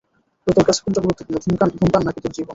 তোর কাছে কোনটা গুরুত্বপূর্ণ, ধূমপান নাকি তোর জীবন?